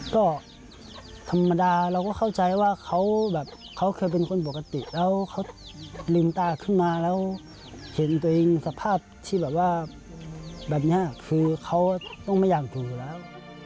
ก็ธรรมดาเราก็เข้าใจว่าเขาแบบเขาเคยเป็นคนปกติแล้วเขาลืมตาขึ้นมาแล้วเห็นตัวเองสภาพที่แบบว่าแบบนี้คือเขาต้องไม่อยากอยู่แล้ว